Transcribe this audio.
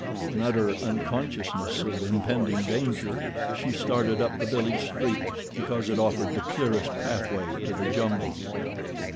In utter unconsciousness of impending danger she started up the village street because it offered the clearest pathway to the jungle.